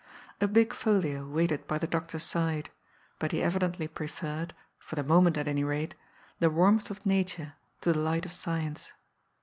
A big folio waited by the doctor's side, but he evi dently preferred, for the moment, at any rate, the warmth of nature to the light of science.